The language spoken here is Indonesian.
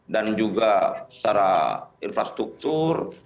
dan juga secara infrastruktur